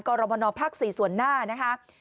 กรมนภ๔ส่วนหน้านะคะ